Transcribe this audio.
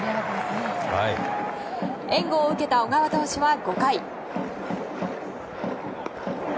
援護を受けた小川投手は５回。